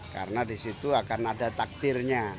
karena di situ akan ada takdirnya